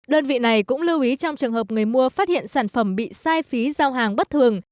đơn vị này cũng lưu ý trong trường hợp người mua phát hiện sản phẩm bị sai phí giao hàng bất thường